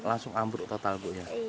langsung ambruk total bu ya